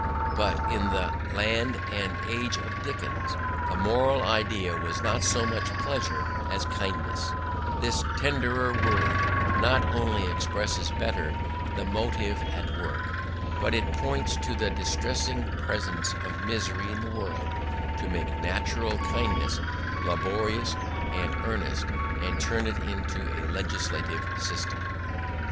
But in the land and age of Dickens the moral ideal was not so much pleasure as kindness: this tenderer word not only expresses better the motive at work, but it points to the distressing presence of misery in the world, to make natural kindness laborious and earnest, and turn it into a legislative system.